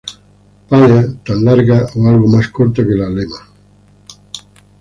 Pálea tan larga o algo más corta que la lema.